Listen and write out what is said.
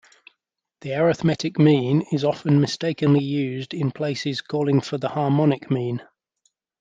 The arithmetic mean is often mistakenly used in places calling for the harmonic mean.